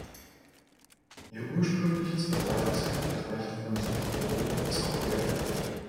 Ihr ursprüngliches Verbreitungsgebiet reicht von Südeuropa bis Korea.